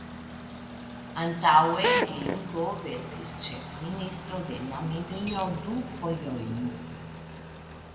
Antaŭe Geingob estis ĉefministro de Namibio du fojojn.